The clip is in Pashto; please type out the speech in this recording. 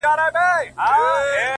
باداره ستا رټلی مخلوق موږه رټي اوس!!